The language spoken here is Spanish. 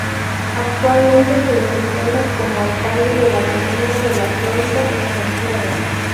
Actualmente se desempeña como alcalde de la comuna de La Florida, en Santiago.